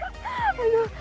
saya pun siap meluncur